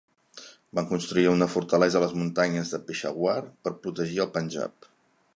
Van construir una fortalesa a les muntanyes de Peshawar per protegir el Panjab.